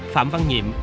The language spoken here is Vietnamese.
phạm văn nhiệm